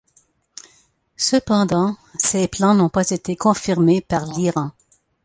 Cependant, ces plans n'ont pas été confirmés par l'Iran.